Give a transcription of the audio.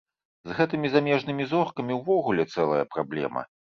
З гэтымі замежнымі зоркамі ўвогуле цэлая праблема.